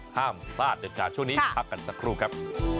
ห้ามพลาดเด็ดขาดช่วงนี้พักกันสักครู่ครับ